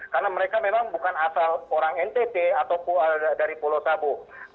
karena mereka memang bukan asal orang ntt ataupun dari pulau sabu